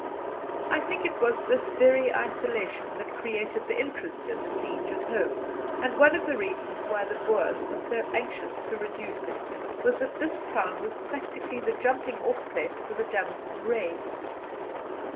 I think it was this very isolation that created the interest in the siege at home, and one of the reasons why the Boers were so anxious to reduce it was that this town was practically the jumping off place for the Jameson Raid.